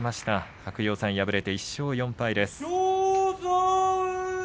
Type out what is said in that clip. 白鷹山、敗れて１勝４敗です。